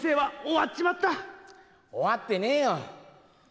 終わってねえよ。